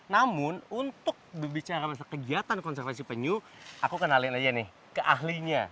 namun untuk berbicara masalah kegiatan konservasi penyu aku kenalin aja nih ke ahlinya